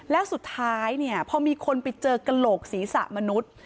แล้วสุดท้ายเนี่ยพอมีคนไปเจอกระโหลกศีรษะมนุษย์